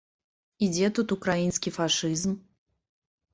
І дзе тут украінскі фашызм?